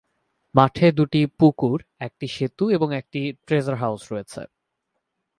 মাঠে দুটি পুকুর, একটি সেতু এবং একটি ট্রেজার হাউস রয়েছে।